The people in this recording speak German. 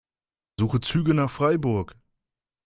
Suche Züge nach Freiburg.